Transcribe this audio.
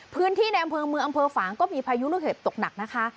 ในอำเภอเมืองอำเภอฝางก็มีพายุลูกเห็บตกหนักนะคะ